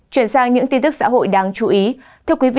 chuyển sang những tin tức xã hội đáng chú ý